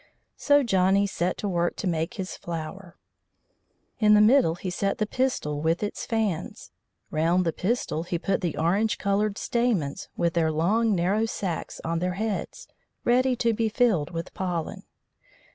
So Johnny set to work to make his flower. In the middle he set the pistil with its fans. Round the pistil he put the orange coloured stamens with their long narrow sacks on their heads, ready to be filled with pollen.